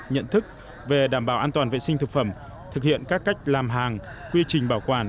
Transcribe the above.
nhận thức về đảm bảo an toàn vệ sinh thực phẩm thực hiện các cách làm hàng quy trình bảo quản